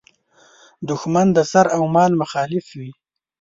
دوښمن د سر او مال مخالف وي.